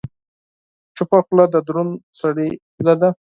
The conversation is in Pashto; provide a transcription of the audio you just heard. چپه خوله، د دروند سړي هیله ده.